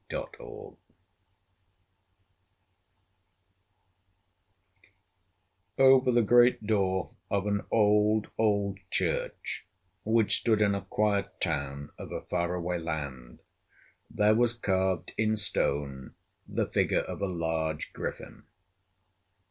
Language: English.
Over the great door of an old, old church which stood in a quiet town of a far away land there was carved in stone the figure of a large griffin.